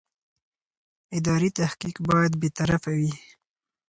اداري تحقیق باید بېطرفه وي.